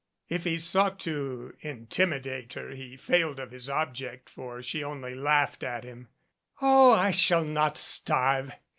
If he sought to intimidate her, he failed of his object, for she only laughed at him. "Oh, I shall not starve.